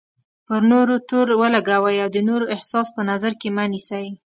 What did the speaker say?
پر نورو تور ولګوئ او د نورو احساس په نظر کې مه نیسئ.